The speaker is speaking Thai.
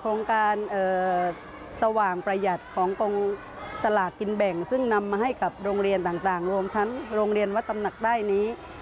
โครงการสว่างประหยัดของกองสลากกินแบ่งซึ่งนำมาให้กับโรงเรียนต่างรวมทั้งโรงเรียนวัดตำหนักได้นี้